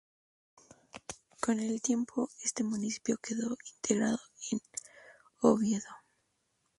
Con el tiempo este municipio quedó integrado en Oviedo.